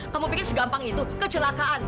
kamu pikir segampang itu kecelakaan